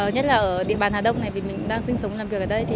nhất là ở địa bàn hà đông này vì mình đang sinh sống làm việc ở đây